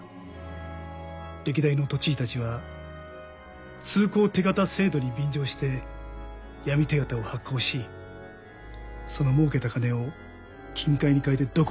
歴代の都知事たちは通行手形制度に便乗して闇手形を発行しそのもうけた金を金塊に変えてどこかに保管しているんだ。